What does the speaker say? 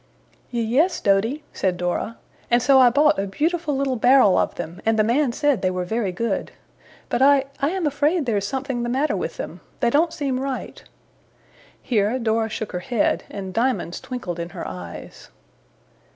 'Ye yes, Doady,' said Dora, 'and so I bought a beautiful little barrel of them, and the man said they were very good. But I I am afraid there's something the matter with them. They don't seem right.' Here Dora shook her head, and diamonds twinkled in her eyes.